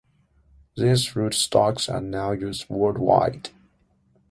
These rootstocks are now used worldwide.